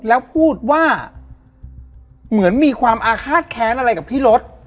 แล้วพูดว่าเหมือนมีความอาฆาตแค้นอะไรกับพี่รถ